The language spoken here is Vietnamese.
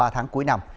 ba tháng cuối năm